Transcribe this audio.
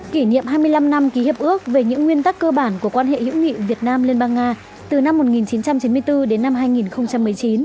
kỷ niệm hai mươi năm năm ký hiệp ước về những nguyên tắc cơ bản của quan hệ hữu nghị việt nam liên bang nga từ năm một nghìn chín trăm chín mươi bốn đến năm hai nghìn một mươi chín